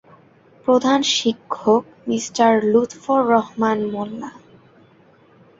প্রধান শিক্ষক- মিঃ লুৎফুর রহমান মোল্লা।